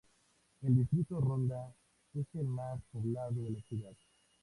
El distrito Ronda es el más poblado de la ciudad.